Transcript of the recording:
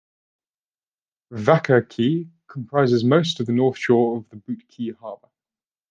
Vaca Key comprises most of the north shore of Boot Key Harbor.